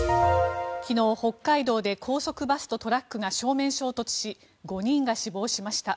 昨日、北海道で高速バスとトラックが正面衝突し５人が死亡しました。